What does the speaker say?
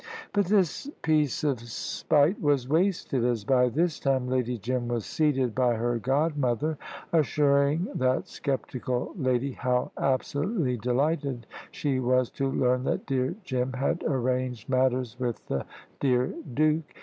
But this piece of spite was wasted, as by this time Lady Jim was seated by her godmother, assuring that sceptical lady how absolutely delighted she was to learn that dear Jim had arranged matters with the dear Duke.